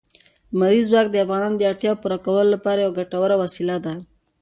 لمریز ځواک د افغانانو د اړتیاوو د پوره کولو لپاره یوه ګټوره وسیله ده.